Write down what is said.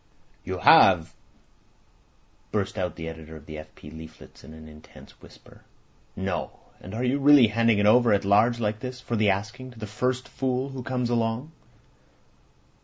"You have!" burst out the editor of the F. P. leaflets in an intense whisper. "No! And are you really handing it over at large like this, for the asking, to the first fool that comes along?"